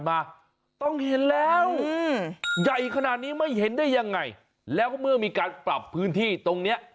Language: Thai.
มาต้องเห็นแล้วใหญ่ขนาดนี้ไม่เห็นได้ยังไงแล้วเมื่อมีการปรับพื้นที่ตรงเนี้ย